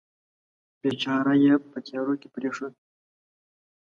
بیچاره یې په تیارو کې پرېښود.